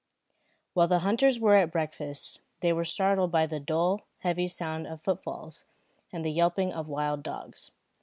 While the hunters were at breakfast, they were startled by the dull, heavy sound of footfalls, and the yelping of wild dogs.